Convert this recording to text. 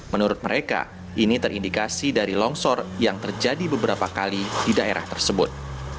menurut mereka ini terindikasi dari longsor yang terjadi beberapa kali di daerah tersebut